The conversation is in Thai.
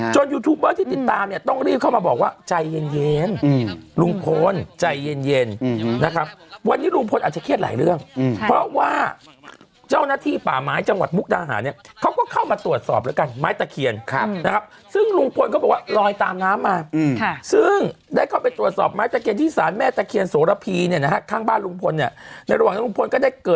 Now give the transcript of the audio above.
ยูทูปเบอร์ที่ติดตามเนี่ยต้องรีบเข้ามาบอกว่าใจเย็นลุงพลใจเย็นนะครับวันนี้ลุงพลอาจจะเครียดหลายเรื่องเพราะว่าเจ้าหน้าที่ป่าไม้จังหวัดมุกดาหารเนี่ยเขาก็เข้ามาตรวจสอบแล้วกันไม้ตะเคียนนะครับซึ่งลุงพลก็บอกว่าลอยตามน้ำมาซึ่งได้เข้าไปตรวจสอบไม้ตะเคียนที่สารแม่ตะเคียนโสระพีเนี่ยนะฮะข้างบ้านลุงพลเนี่ยในระหว่าง